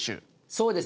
そうですね。